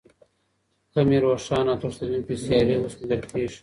کمې روښانه او تښتېدونکې سیارې اوس موندل کېږي.